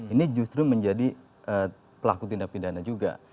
ini justru menjadi pelaku tindak pidana juga